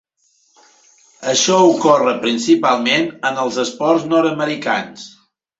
Això ocorre principalment en els esports nord-americans.